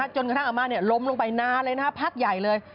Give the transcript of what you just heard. จนกระทั่งอาม่าล้มลงไปนานเลยนะครับพักใหญ่เลย